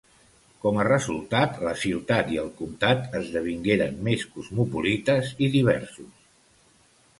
Com a resultat, la ciutat i el comptat esdevingueren més cosmopolites i diversos.